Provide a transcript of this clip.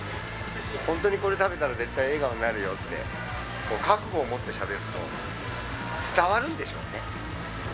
本当にこれ食べたら絶対笑顔になるよって覚悟を持ってしゃべると、伝わるんでしょうね。